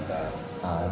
udah kita buka